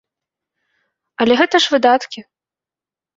Але гэта ж выдаткі.